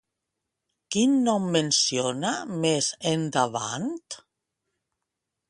Quin nom menciona més endavant?